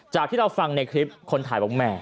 ที่เราฟังในคลิปคนถ่ายบอกแม่